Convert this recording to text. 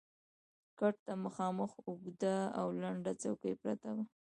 کټ ته مخامخ اوږده او لنډه څوکۍ پرته وه.